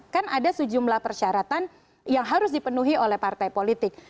kan ada sejumlah persyaratan yang harus dipenuhi oleh partai politik